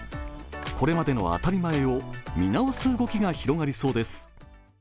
これまでの当たり前を見直す動きが広がりそうです。